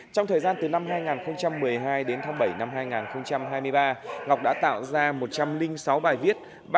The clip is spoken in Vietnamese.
trong thời gian từ năm hai nghìn một mươi hai đến tháng bảy năm hai nghìn hai mươi ba ngọc đã tạo ra một trăm linh sáu bài viết